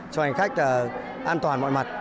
cho hành khách an toàn mọi mặt